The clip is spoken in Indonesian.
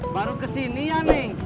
baru kesini ya neng